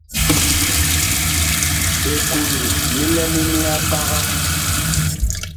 Likund li lɛlene a paga.